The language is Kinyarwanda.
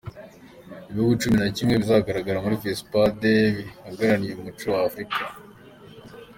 Ibihugu cumi na kimwe bizagaragara muri fesipadi bihagarariye imico y’Afurika